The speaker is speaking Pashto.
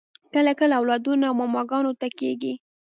کله کله اولادونه و ماماګانو ته کیږي